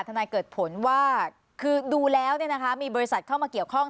นายเกิดผลว่าคือดูแล้วมีบริษัทเข้ามาเกี่ยวข้อง